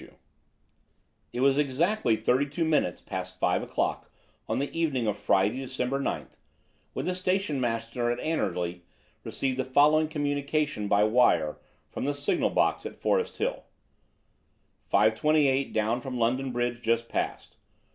28 It was exactly thirty two minutes past five o'clock on the evening of Friday, December 9th, when the station master at Anerley received the following communication by wire from the signal box at Forest Hill: 5.28 down from London Bridge just passed.